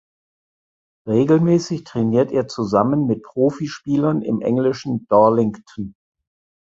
Regelmäßig trainiert er zusammen mit Profispielern im englischen Darlington.